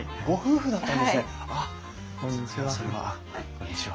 こんにちは。